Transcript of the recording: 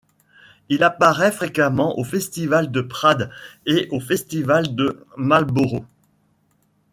Il apparait fréquemment au Festival de Prades et au Festival de Marlboro.